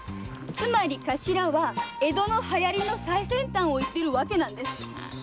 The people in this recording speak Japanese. つまり頭は江戸の流行の最先端をいってるわけです。